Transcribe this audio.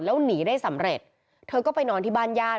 แล้วหนีได้สำเร็จเธอก็ไปนอนที่บ้านญาติ